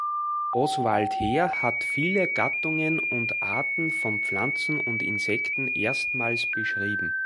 Oswald Heer hat viele Gattungen und Arten von Pflanzen und Insekten erstmals beschrieben.